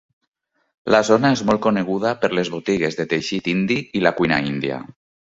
La zona és molt coneguda per les botigues de teixit indi i la cuina índia.